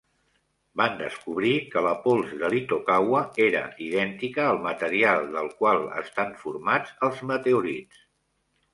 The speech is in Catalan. Van descobrir que la pols de l'Itokawa era "idèntica al material del qual estan formats els meteorits".